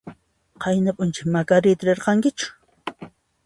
Qayna p'unchay Macarita rirankichu?